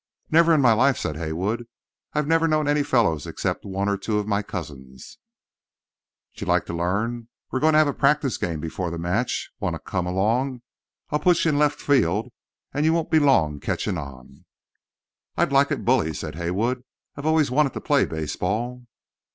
"Never in my life," said Haywood. "I've never known any fellows except one or two of my cousins." "Jer like to learn? We're goin' to have a practice game before the match. Wanter come along? I'll put yer in left field, and yer won't be long ketchin' on." "I'd like it bully," said Haywood. "I've always wanted to play baseball."